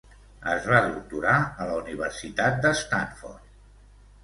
Es va doctorar a la Universitat de Stanford.